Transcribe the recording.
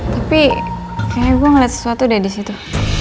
tapi kayaknya gue ngeliat sesuatu udah di situ